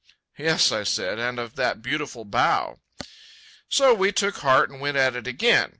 "Yes," said I, "and of that beautiful bow." So we took heart and went at it again.